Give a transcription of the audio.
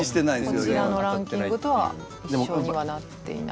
こちらのランキングとは一緒にはなっていない。